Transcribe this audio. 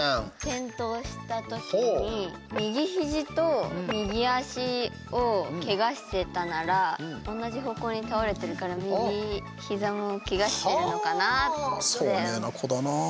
転倒した時に右ひじと右足をけがしてたなら同じ方向に倒れてるから右ひざもけがしてるのかなって。